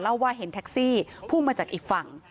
ว่าเห็นแท็กซี่พุ่งมาจากอีกฝั่ง